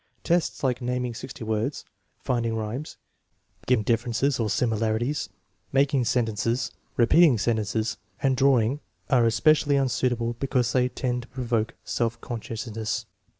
Tests like naming sixty words, finding rhymes, giving differences or similarities, making sentences, repeating sentences, and drawing are especially unsuitable because they tend to provoke self consciousness.